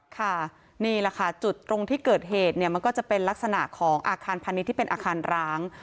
ค่ะนี่แหละค่ะจุดตรงที่เกิดเหตุเนี่ยมันก็จะเป็นลักษณะของอาคารพาณิชย์ที่เป็นอาคารร้าง